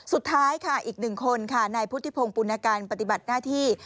สุดท้ายค่ะอีกหนึ่งคนค่ะนายพุทธิพงศ์ปุณการปฏิบัติหน้าที่